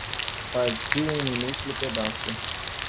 Partiu um minúsculo pedaço